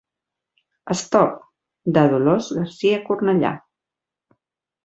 Stop, de Dolors Garcia Cornellà.